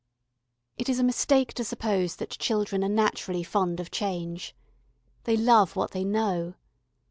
It is a mistake to suppose that children are naturally fond of change. They love what they know.